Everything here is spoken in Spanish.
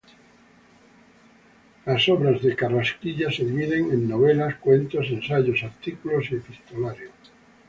Las obras de Carrasquilla se dividen en novelas, cuentos, ensayos, artículos y epistolario.